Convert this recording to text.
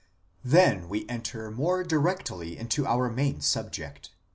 Then we enter more directly into our main subject.